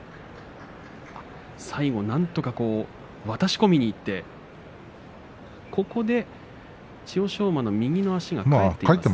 最後なんとか渡し込みにいってここで千代翔馬の右の足が返っています。